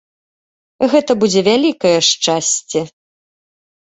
Гэта будзе вялікае шчасце.